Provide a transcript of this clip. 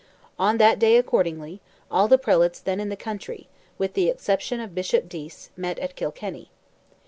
On that day accordingly, all the Prelates then in the country, with the exception of Bishop Dease, met at Kilkenny.